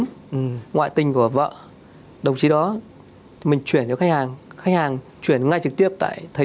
ngoại tình của vợ đồng chí đó mình chuyển cho khách hàng khách hàng chuyển ngay trực tiếp tại thời